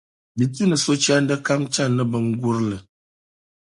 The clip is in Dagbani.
Di tu ni sochanda kam chani ni bingurili.